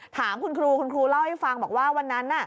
ถามคุณครูคุณครูเล่าให้ฟังบอกว่าวันนั้น